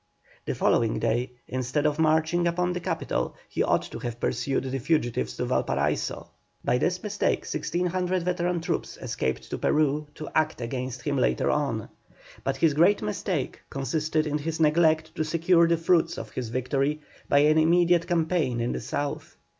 The following day, instead of marching upon the capital he ought to have pursued the fugitives to Valparaiso. By this mistake 1,600 veteran troops escaped to Peru, to act against him later on. But his great mistake consisted in his neglect to secure the fruits of his victory by an immediate campaign in the South.